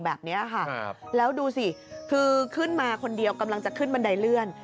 แบบนี้ค่ะแล้วดูสิคือขึ้นมาคนเดียวกำลังจะขึ้นบันไดเลื่อน